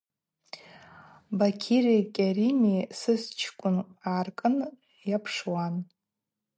Бакьыри Кьарими сысчкӏвынкӏ гӏаркӏын йапшуан.